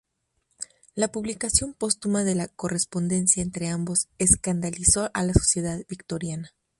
La publicación póstuma de la correspondencia entre ambos escandalizó a la sociedad victoriana.